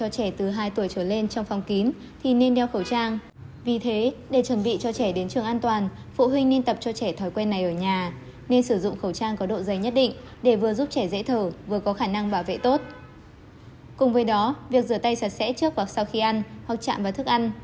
cùng với đó việc rửa tay sạch sẽ trước hoặc sau khi ăn hoặc chạm vào thức ăn